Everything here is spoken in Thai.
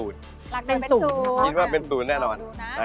นี่ก็เป็น๐แน่นอน